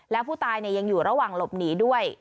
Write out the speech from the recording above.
แล้วผู้ตายยังอยู่ระหว่างหลบหนีด้วย